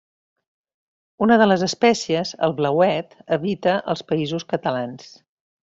Una de les espècies, el blauet, habita als Països Catalans.